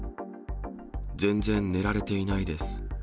全然寝られていないです。